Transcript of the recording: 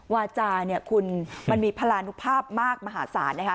วาจาเนี่ยคุณมันมีพลานุภาพมากมหาศาลนะคะ